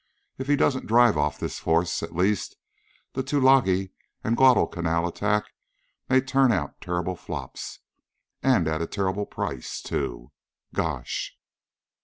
If he doesn't drive off this force, at least, the Tulagi and Guadalcanal attacks may turn out terrible flops. And at a terrible price, too. Gosh!